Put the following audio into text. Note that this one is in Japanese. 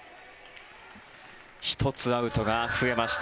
１つ、アウトが増えました。